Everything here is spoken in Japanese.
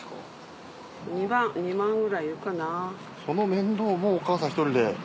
その面倒もお母さん一人で。